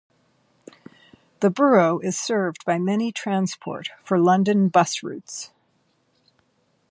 The borough is served by many Transport for London bus routes.